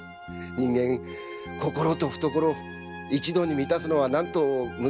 人間心と懐一度に満たすのは何と難しいことか。